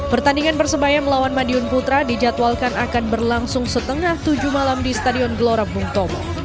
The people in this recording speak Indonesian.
pertandingan persebaya melawan madiun putra dijadwalkan akan berlangsung setengah tujuh malam di stadion gelora bung tomo